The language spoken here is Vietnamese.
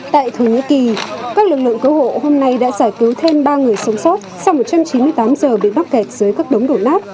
tại thổ nhĩ kỳ các lực lượng cứu hộ hôm nay đã giải cứu thêm ba người sống sót sau một trăm chín mươi tám giờ bị mắc kẹt dưới các đống đổ nát